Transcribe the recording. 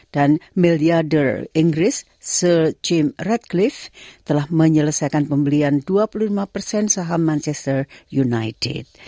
dan miliarder inggris sir jim ratcliffe telah menyelesaikan pembelian dua puluh lima saham manchester united